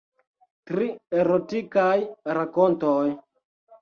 Tri erotikaj rakontoj.